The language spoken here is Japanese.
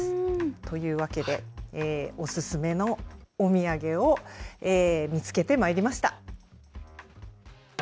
というわけで、お勧めのお土産を見つけてまいりました。